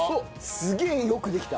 すげえよくできた。